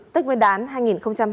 tích nguyên đán hai nghìn hai mươi ba